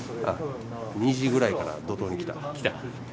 ２時ぐらいから怒とうに来た。来た？